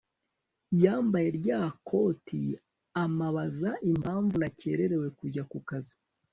yambaye rya koti amabaza impamvu nakerewe kujya kukazi